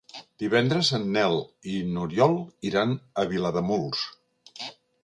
Divendres en Nel i n'Oriol iran a Vilademuls.